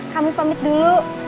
kami pamit dulu